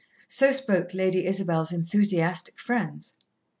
So spoke Lady Isabel's enthusiastic friends.